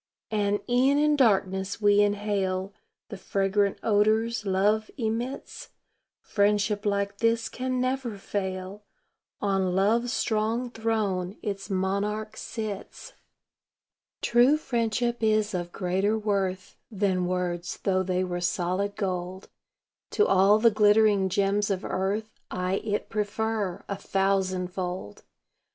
And e'en in darkness we inhale The fragrant odors love emits; Friendship like this can never fail On love's strong throne its monarch sits. True friendship is of greater worth Than words, though they were solid gold. To all the glittering gems of earth I it prefer, a thousandfold.